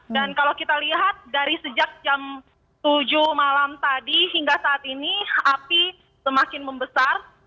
dan kalau kita lihat dari sejak jam tujuh malam tadi hingga saat ini api semakin membesar